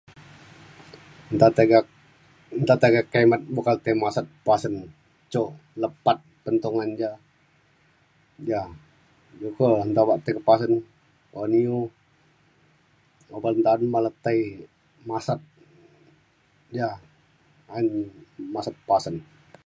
nta tiga nta tiga kimet buka le tei masat pasen cuk lepat pentung gan ja. ja juko nta obak tei ka pasen un iu oban taun man le tei masat ja ayen masat pasen.